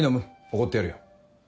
おごってやるよ。